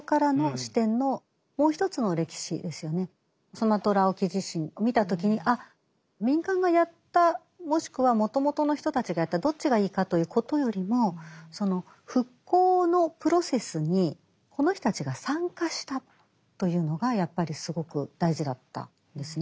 スマトラ沖地震を見た時にあっ民間がやったもしくはもともとの人たちがやったどっちがいいかということよりもその復興のプロセスにこの人たちが参加したというのがやっぱりすごく大事だったんですね。